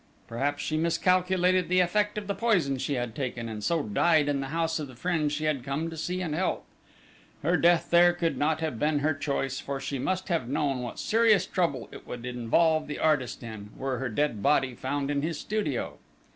Perhaps she miscalculated the effect of the poison she had taken, and so died in the house of the friend she had come to see and help: her death there could not have been her choice, for she must have known what serious trouble it would involve the artist in, were her dead body found in his studio.